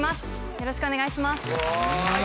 よろしくお願いします